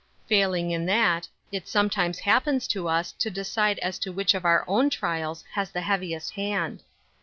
Fail ing in that, it sometimes happens to us to decide as to which of our own trials has the heaviest hand.